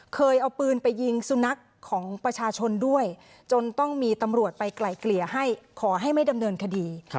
เคยเอาปืนไปยิงสุนัขของประชาชนด้วยจนต้องมีตำรวจไปไกลเกลี่ยให้ขอให้ไม่ดำเนินคดี